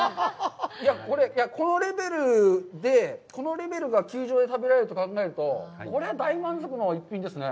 このレベルで、このレベルが球場で食べられると考えられると、これは大満足の一品ですね。